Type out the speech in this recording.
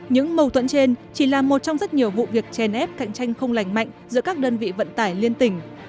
những mâu tuẫn trên chỉ là một trong rất nhiều vụ việc chèn ép cạnh tranh không lành mạnh giữa các đơn vị vận tải liên tỉnh